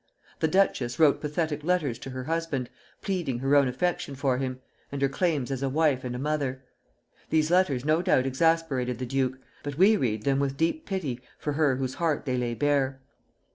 The duchess wrote pathetic letters to her husband, pleading her own affection for him, and her claims as a wife and a mother. These letters no doubt exasperated the duke, but we read them with deep pity for her whose heart they lay bare.